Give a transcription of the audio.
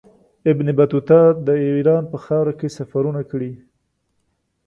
ابن بطوطه د ایران په خاوره کې سفرونه کړي.